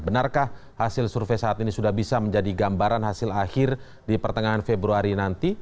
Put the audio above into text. benarkah hasil survei saat ini sudah bisa menjadi gambaran hasil akhir di pertengahan februari nanti